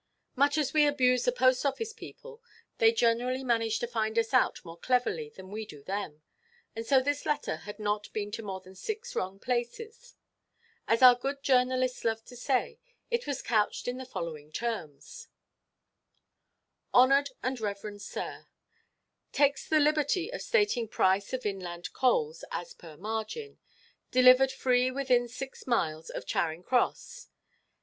Much as we abuse the Post–office people, they generally manage to find us out more cleverly than we do them; and so this letter had not been to more than six wrong places. As our good journalists love to say, "it was couched in the following terms:"— "HONOURED AND REVEREND SIR,—Takes the liberty of stating price of inland coals, as per margin, delivered free within six miles of Charing–cross.